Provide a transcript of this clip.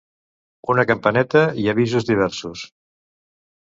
Una campaneta i avisos diversos.